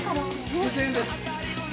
２，０００円です。